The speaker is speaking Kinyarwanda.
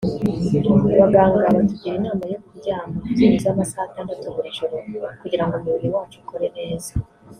Abaganga batugira inama yo kuryama byibuze amasaha atandatu buri joro kugira ngo umubiri wacu ukore neza